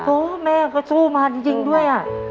โอ้แม่ก็สู้มาจริงด้วย